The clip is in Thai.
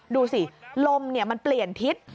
ดูสิลมมันเปลี่ยนทิศ